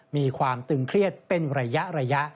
มีความตึงเครียดเป็นระยะ